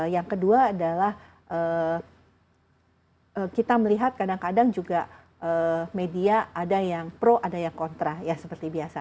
yang kedua adalah kita melihat kadang kadang juga media ada yang pro ada yang kontra ya seperti biasa